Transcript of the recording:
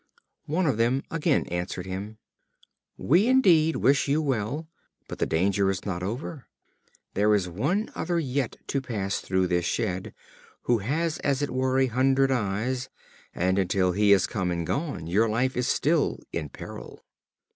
One of them again answered him: "We indeed wish you well, but the danger is not over. There is one other yet to pass through the shed, who has as it were a hundred eyes, and, until he has come and gone, your life is still in peril."